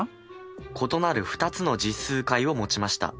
異なる２つの実数解を持ちました。